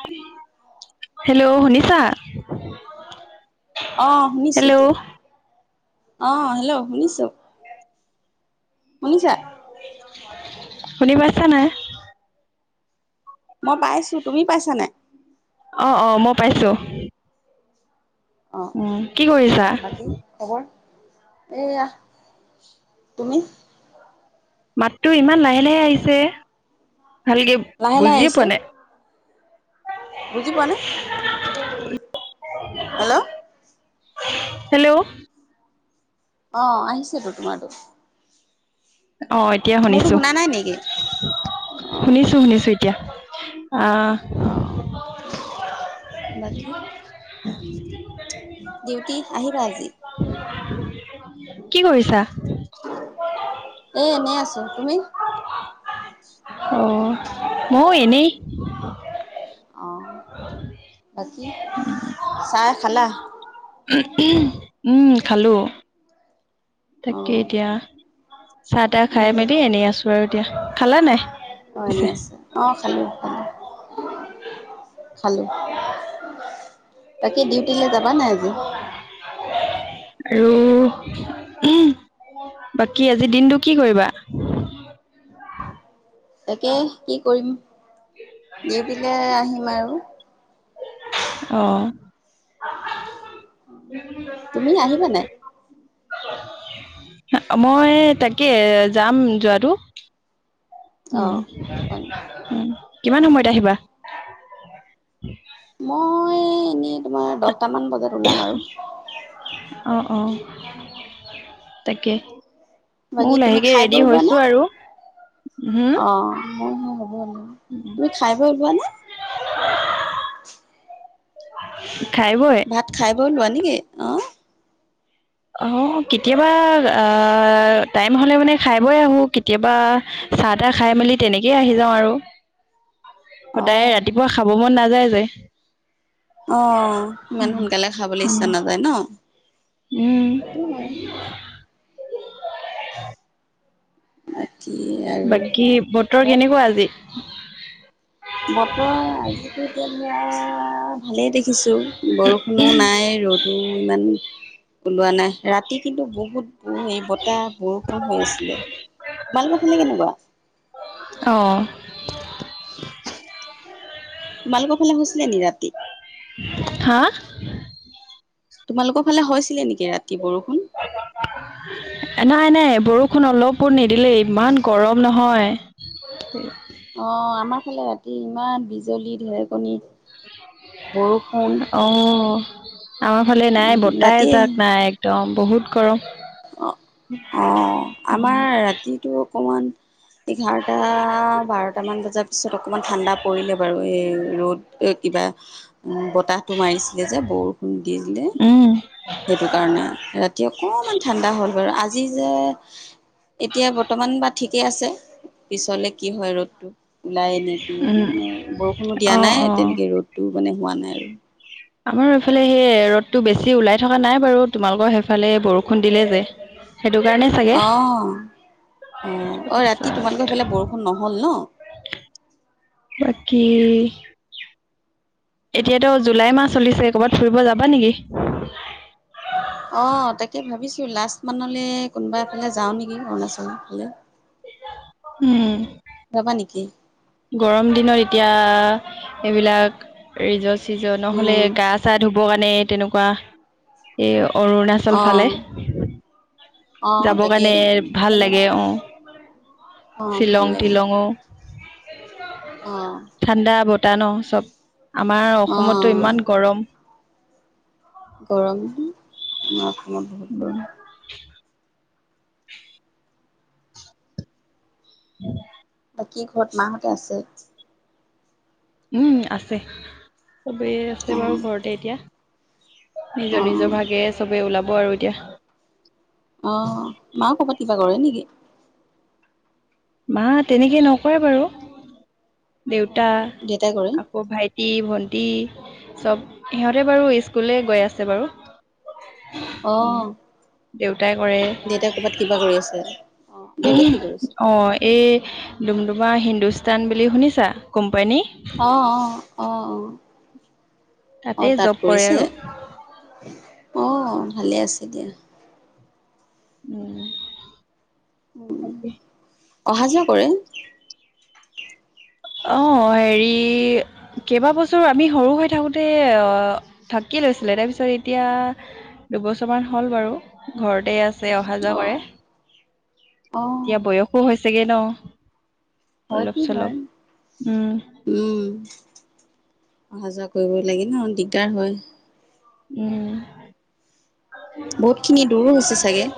আৰু হেল্ল' শুনিছা? অ হেল্ল! অহ হেল্ল' শুনিছো। শুনিছা শুনি পাইছা নাই? মই পাইছো। তুমি পাইছা নাই? অ অ মই পাইছো। অ উম কি কোৱা কৰিছা বাকী খবৰ? এয়া। তুমি? মাতটো ইমান লাহে লাহে আহিছে ভালকে লাহে লাহে বুজিয়ে আহিছে? পোৱা নাই বুজি পোৱা নাই হেল্ল'! হেল্ল'! অঁ আহিছেতো তোমাৰাতো। অ এতিয়া মোৰতো শুনিছো। শুনা নাই নেকি অ শুনিছো শুনিছো এতিয়া আহ অ বাকী ডিউটি আহিবা আজি? কি কৰিছা? [inaudible] এ এনেই আছো। তুমি? অ মইয়ো এনেই। অঁ বাকী চাহ খালা? উম খালো। অ তাকেই এতিয়া চাহ তাহ খাই উম মেলি এনেই আছো আৰু এতিয়া। খালা নাই? অ পিছে এনেই আছা অ খালো খালো খালো। বাকী ডিউটিলৈ যাবা নাই আজি? আৰু বাকী আজি দিনটো কি কৰিবা? তাকে কি কৰিম ডিউটিলে আহিম আৰু। অ। তুমি আহিবা নাই? মই তাকে যাম যোৱাটো। উম অঁ উম। কিমান সময়ত আহিবা? [inaudible] মই এনেই তোমাৰ দহটা মান বজাত ওলাম আৰু অ অ তাকে। বাকী মইয়ো তুমি লাহেকে খাই বৈ ৰেডি ওলোৱা নে হৈছো আৰু। হম অঁ মোৰ হে হব আৰু। তুমি খাই বৈ ওলোৱা নে? খাই বৈ। ভাত খাই বৈ ওলোৱা নেকি অঁ অ কেতিয়াবা আহ টাইম হলে মানে খাই বই আহো কেতিয়াবা চাহ তাহ খাই মেলি তেনেকেই আহি যাওঁ আৰু। সদায় অঁ ৰাতিপুৱা খাব মন নাযায় যে। অঁ' ইমান সোনকালে খাবলৈ ইচ্ছা নাযায় ন'। সেইটো হয় উমঁ। [unintelligible] কি [unintelligible] বাকী বতৰ কেনেকুৱা আজি? বতৰ আজিতো এতিয়া ধৰা ভালেই দেখিছোঁ বৰষু বৰষুণো নাই ৰ'দো ইমান ওলোৱা নাই, ৰাতি কিন্তু বহুত- বতাহ, বৰষুণ হৈ আছিলে, তোমালোকৰ ফালে কেনেকুৱা? অঁ। তোমালোকৰ ফালে হৈছিলে নেকি ৰাতি? হা? তোমালোকৰ ফালে হৈছিলে নেকি ৰাতি বৰষুণ? [unintelligible] নাই নাই বৰষুণ অলপো নিদিলে ইমান গৰম নহয়। অঁ' আমাৰ ফালে ৰাতি ইমান বিজলী ঢেৰেকণী। বৰষুণ অঁ' আমাৰ ফালে নাই উম বতাহ ৰাতিয়ে এজাক নাই। একদম বহুত গৰম। অঁ' অঁ' আমাৰ ৰাতিটো অকমান- এঘাৰটা বাৰটামান বজাৰ পিছত অকণমান ঠাণ্ডা পৰিলে বাৰু এই ৰ'দ- এ কিবা উমঁ' বতাহটো মাৰিছিলে যে বৰষুণ দি দিলে। উম সেইটো কাৰণে ৰাতি অকণমান ঠাণ্ডা হ'ল বাৰু। আজি যে- এতিয়া বৰ্তমান বা ঠিকেই আছে, পিছলে কি হয় ৰ'দটো। ওলাই নে কি এ উম নে মানে বৰষুণো দিয়া অ অ নাই তেনেকে ৰ'দটো মানে হোৱা নাই আৰু। আমাৰ এইফালে সেই ৰ'দটো বেছি ওলাই থকা নাই বাৰু, তোমালোকৰ সেইফালে বৰষুণ- বৰষুণ দিলে যে সেইটো কাৰণেই চাগে। অঁ' অঁ' অঁ' ৰাতি তোমালোকৰ তাৰপিছত সেইফালে বৰষুণ নহ'ল ন'। বাকী- এতিয়াতো জুলাই মাহ চলিছে কৰ'বাত ফুৰিব যাবা নেকি? অ' তাকে ভাবিছোঁ লাষ্ট মানলৈ কোনোবা এফালে যাওঁ নেকি অৰুণাচলৰ ফালে। উমঁ। যাবা নেকি? গৰম দিনত এতিয়া এইবিলাক ৰিজৰ্ট- চিজন নহ'লে অ', গা চা ধুব কাৰণে তেনেকুৱা- এই অৰুণাচল ফালে- অ', অ', যাব তাকে কাৰণে ভাল সেইফালে লাগে অঁ' অ', শ্বিলং টিলংও। [unintelligible] অঁ'। ঠাণ্ডা বতাহ ন' চ'ব, আমাৰ অসমতো অ', ইমান গৰম। গৰমতো আমাৰ অসমত বহুত গৰম। [unintelligible] বাকী ঘৰত মাহতে আছে? উমঁ' আছে, চ'বেই আছে বাৰু অ', ঘৰতে এতিয়া। নিজৰ অ', নিজৰ অ', ভাগে চ'বে ওলাব আৰু এতিয়া। অ মা ক'বাত কিবা কৰে নিকি? মা তেনেকে নকৰে বাৰু দেউতা অ', দেউতাই কৰে? আকৌ ভাইট ভাইটি ভণ্টি চ'ব সিহঁতে বাৰু স্কুললে গৈ আছে বাৰু। উম অ', দেউতাই কৰে। দেউতাই ক'ৰবাত কিবা কৰি আছে। অ', দেউতাই কি কৰিছে? অ' এই ডুমডুমা হিন্দুস্তান বুলি শুনিছা কোম্পানী অ' অ' অ' অ' তাতে অ' তাত জব কৰে কৰিছে। আৰু অ' ভালে আছে দিয়া। উম তাকে অহা যোৱা কৰে অ' হেৰি কেইবাবছৰো আমি সৰু হৈ থাকোঁতে আ থাকি লৈছিলে তাৰপিছত এতিয়া দুবছৰ মান হ'ল বাৰু ঘৰতে আছ আছে অহা যোৱা কৰে অ', অ'। এতিয়া বয়সো হৈছেগে ন' অলপ হয়তো চলপ নোৱাইম উম উম, অহা যোৱা কৰিব লাগে ন', দিগদাৰ হয়। উম বহুত খিনি দূৰো হৈছে চাগে।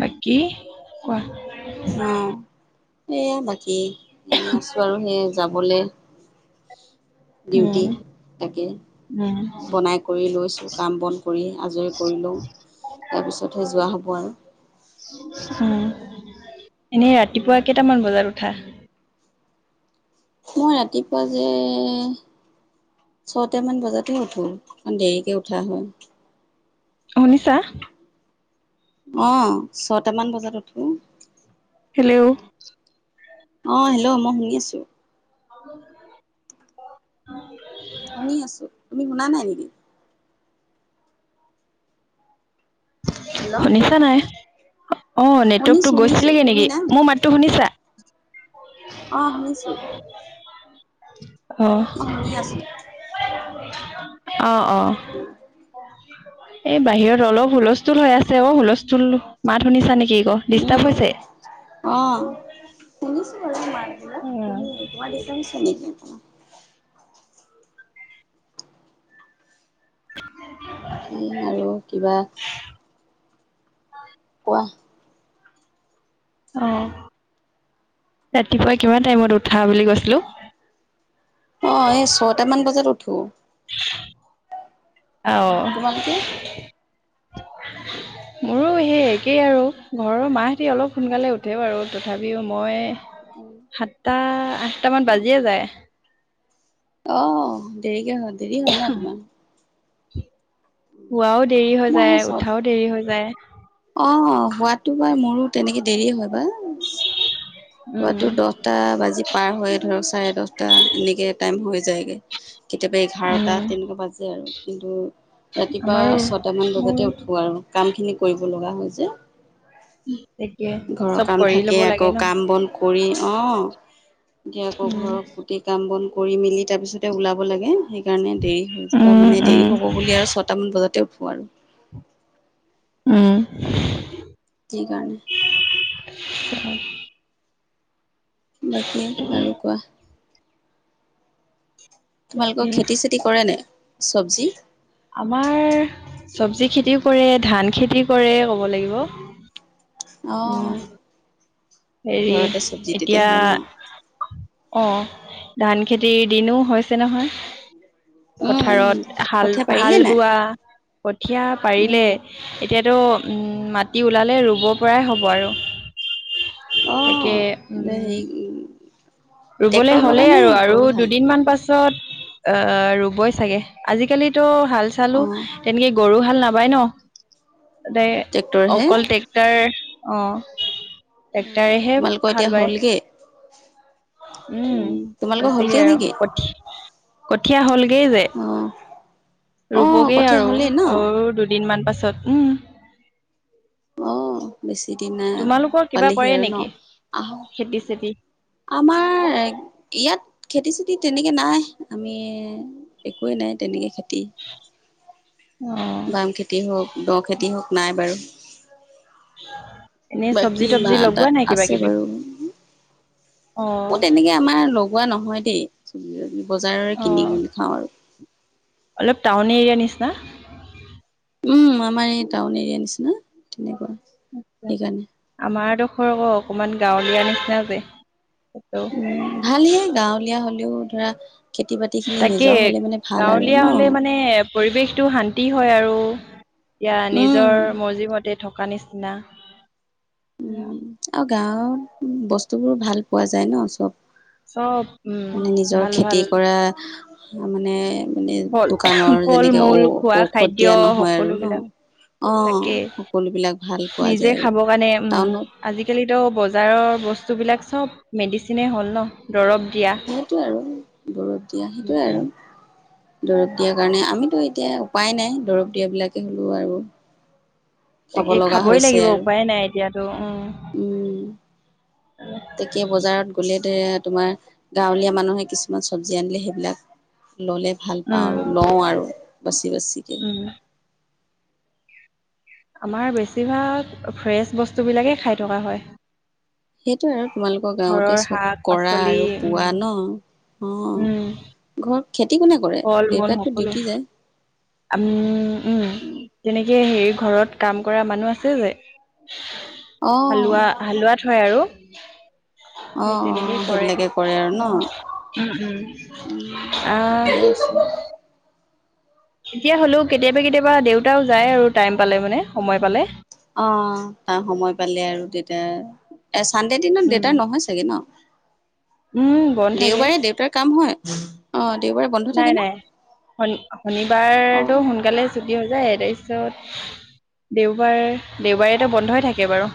বাকী কোৱা। অ', সেয়া বাকী, এনেই আছোঁ আৰু সেই যাবলে ডিউটি, উম তাকে, উম বনাই কৰি লৈছোঁ, কাম বন কৰি আজৰি কৰি লওঁ, তাৰপিছতহে যোৱা হ'ব আৰু। উম, এনেই ৰাতিপুৱা কেইটামান বজাত উঠা? মই ৰাতিপুৱা যে ছটামান বজাতে উঠো, অকণ দেৰিকে উঠা হয়। শুনিছা? অ', ছটামান বজাত উঠো। হেল্ল' অ', হেল্ল' মই শুনি আছো। [unintelligible] শুনি আছোঁ, তুমি শুনা নাই নিকি? হেল্ল' শুনিছা নাই? অ', শুনিছো নেটৱৰ্কতটো শুনিছো গৈছিলেগে তুমি নেকি, নাই মোৰ শুনা মাততো শুনিছা? অ শুনিছো [unintelligible] অহ, মই শুনি আছো অ, অ এ, বাহিৰত অলপ হুলস্থুল হৈ আছে ক, হুলস্থুল মাত শুনিছা নেকি ক ডিষ্টাৰ্ব উম, হৈছে অহ। শুনিছো বাৰু মাতবিলাক তুমি তোমাৰ [unintelligible] উম আৰু কিবা [unintelligible] কোৱা। অ', ৰাতিপুৱা কিমান টাইমত উঠা বুলি কৈছিলো। অ', এই ছয়টামান বজাত উঠো। আঅ তোমালোকে মোৰো সেই একেই আৰু, ঘৰৰ মাহেতি অলপ সোনকালে উঠে বাৰু, তথাপিও মই সাতটা, আঠটামান বাজিয়ে যায়। অ', দেৰিকে হ'ল। শোৱাও দেৰি হৈ মই এই যায়, ছয় উঠাও দেৰি হৈ যায়। অ', শুৱাটো বাৰু মোৰো তেনেকে দেৰিয়ে হয়, বা, উম শুৱাতো দহ আঠটা বাজি পাৰ হয় ধৰক, চাৰে দহটা এনেকে টাইম হৈ যায়গে। কেতিয়াবা এঘাৰটা উম তেনেকুৱা বাজে আৰু, কিন্তু আমাৰো ছয়টামান উম বজাতে উঠো আৰু। কামখিনি কৰিব লগা হয় যে। তাকে ঘৰৰ চব কাম কৰি থাকে, ল'ব লাগে আকৌ ন কাম বন কৰি অ', এতিয়া আকৌ ঘৰৰ গোটেই কাম বন কৰি মেলি তাৰপিছতে ওলাব লাগে, সেইকাৰণে দেৰি হৈ, উম মানে দেৰি উম হয়গে। হ'ব বুলি আৰু ছয়টা মান বজা উঠো আৰু। উম। সেইকাৰণে। [unintelligible] বাকী আৰু কোৱা। তোমালোকৰ উম খেতি-চেতি কৰে নে, চবজি? আমাৰ চবজি খেতিও কৰে, ধান খেতি কৰে ক'ব লাগিব। অ'। এই ঘৰতে চবজি এতিয়া। তেতিয়াহ'লে ন? অ' ধান খেতিৰ দিনো হৈছে নহয়। উম উম পথাৰত হাল কঠীয়া পাৰিলে হাল নাই? বোৱা কঠীয়া পাৰিলে উম এতিয়া। টো মাটি ওলালে ৰুব পৰাই হ'ব আৰু। তাকে অ' উম। হেৰি ৰুবলৈ ট্ৰেক্টৰ লগাই হ'লেই নে আৰু গৰু আৰু হাল? দুদিনমান পাছ ছত আহ ৰুবই চাগে আজিকালিতো হাল চালো। অ' তেনেকে গৰু হাল নাবায় ন ততে ডাইৰে ট্ৰেক্টৰ হে অকল ট্ৰেক টেক্টাৰ অ' টেক্টৰেহে তোমালোকৰ এতিয়া হাল বায়। হ'লগে? উম তোমালোকৰ হৈছিগে হ'লগে আৰু নেকি? কঠ কঠীয়া হ'ল। অ'। অ' ৰুবগেই কঠীয়া আৰু হ'লেই ন? আৰু দুদিনমান পাছত। উম। অ' বেছি দিন নাই তোমালোকৰ কিবা পালেহি কৰে আৰু ন? নেকি? আহ খেতি চেতি। আমাৰ ইয়াত খেতি চেতি তেনেকে নাই আমি। একোৱে নাই তেনেকে খেতি। [unintelligible] বাম খেতি হওঁক দ' খেতি হওঁক নাই বাৰু। এনেই চব্জি বাকী তবজি মা'ৰ লগোৱা তাত নাই কিবা আছে কিবি বাৰু। অ এইবোৰ তেনেকে আমাৰ লগোৱা নহয় দেই বজাৰৰে অ কিনি কিনে খাওঁ আৰু। অলপ টাউন এৰিয়া নিচিনা। উম আমাৰ এই টাউন এৰিয়াৰ নিচিনা তেনেকুৱা সেইকাৰণে। আমাৰ ডোখৰ আকৌ অকমান গাঁৱলীয়া নিচিনা যে। উম, ভাল‌ইহে গাঁৱলীয়া হ'লেও ধৰা। খেতি বাতি খিনি তাকে নিজৰ হলে মানে ভাল আৰু গাঁৱলীয়া ন হ'লে মানে পৰিৱেশটো শান্তি হয় আৰু। ইয়াৰ উম নিজৰ মৰ্জিমতে থকা নিচিনা। উম আৰু গাঁৱত বস্তুবোৰ ভাল পোৱা যায় ন' চব। চব উম নিজৰ ভাল ভাল খেতি কৰা মানে। মানে ফল দোকানৰ ফল যেনেকে ঔ মূল খোৱা ঔষধ খাদ্য দিয়া নহয় আৰু ন। সকলোবিলাক অ', থাকেই সকলো বিলাক ভাল পোৱা নিজে যায় আৰু। খাব কাৰণে উম টাউনত আজিকালিতো বজাৰৰ বস্তুবিলাক চব মেডিচিনেই হ'ল ন। দৰৱ দিয়া সেইটো আৰু দৰৱ দিয়া সেইটোৱে আৰু। দৰব দিয়াৰ কাৰণে আমিতো এতিয়া উপায় নাই। দৰৱ দিয়া বিলাকে হ'লেও আৰু খাব তাকে লগা খাবই হৈছে লাগিব আৰু উপায় নাই এতিয়াতো উম। উম তাকে বজাৰত গ'লে দে তোমাৰ গাঁৱলীয়া মানুহে কিছুমান চব্জি আনিলে সেইবিলাক ল'লে ভাল উম পাওঁ আৰু লওঁ আৰু বেছি বাচিকে। উম আমাৰ বেছিভাগ ফ্ৰেছ বস্তুবিলাকেই খাই থকা হয়। সেইটো আৰু তোমালোকৰ গাঁৱতে ঘৰৰ চব শাক কৰা পাচলি আৰু উম পোৱা ন? উম অ'। ঘৰত খেতি কোনে কৰে দেউতাকটো ডিউটি যায়? আম উম। তেনেকে হেৰি ঘৰত কাম কৰা মানুহ আছে যে অ হালোৱা হালোৱা থয় আৰু। অ অ সেই তেনেকেই কৰে সেইবিলাকে আৰু ন উম উম। উম আহ [unintelligible] এতিয়া হ'লেও কেতিয়াবা কেতিয়াবা দেউতাও যায় আৰু টাইম পালে মানে সময় পালে। অ', তাৰ সময় পালে আৰু দেতাইয়ে এ চানডে দিনত উম দেউতাৰ নহয় চাগে ন? উম, ব দেওবাৰে দেউতাৰ কাম হয়? অ', দেওবাৰে বন্ধ থাকে নাই, ন নাই শন অ', শনিবাৰতো সোনকালে ছুটি হৈ যায়। তাৰপিছত দেওবাৰ দেওবাৰেটো বন্ধই থাকে বাৰু।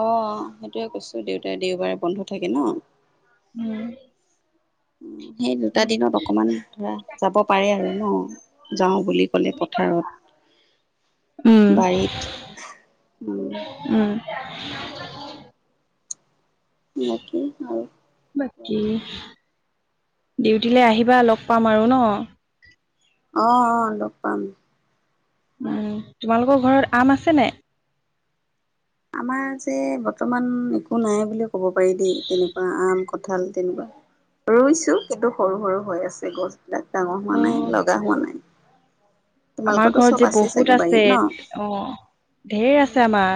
অ', সেইটোয়ে কৈছো দেউতাৰ দেওবাৰে বন্ধ থাকে ন। উম। সেই দুটা দিনত অকমান ধৰা যাব পাৰে আৰু ন যাওঁ বুলি। কলে উম পথাৰত বাৰীত উ। উম। নতুন ভাল। বাকী ডিউটিলৈ আহিবা লগ পাম আৰু ন? অ', অ' লগ পাম। উম, তোমালোকৰ ঘৰত আম আছে নাই? আমাৰ যে বৰ্তমান একো বুলি ক'ব পাৰি দেই, তেনেকুৱা আম কঁঠাল তেনেকুৱা, ৰুইছো কিন্তু সৰু সৰু হৈ আছে গছ। তাক ডাঙৰ অ হোৱা নাই লগা হোৱা নাই। আমাৰ তোমালোকৰতো ঘৰত চব যে চাগে বহুত আছে বাৰীত ন? অ'। ঢেৰ উম, আছে আমাৰ,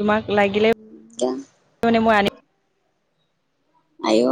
তোমাক লাগিলে তি [unintelligible] মই মানে আনি। [inaudible] আইঅ'